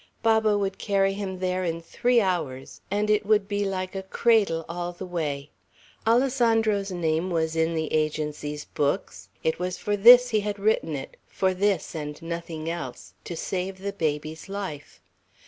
Baba would carry him there in three hours, and it would be like a cradle all the way. Alessandro's name was in the Agency books. It was for this he had written it, for this and nothing else, to save the baby's life.